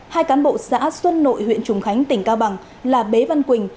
hai cán bộ xã xuân nội huyện trùng khánh tỉnh cao bằng là bế văn quỳnh